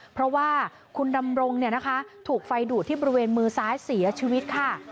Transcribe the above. เพราะว่าคุณดำรงถูกไฟดูดที่บริเวณมือซ้ายเสียชีวิตค่ะ